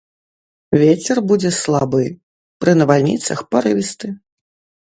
Вецер будзе слабы, пры навальніцах парывісты.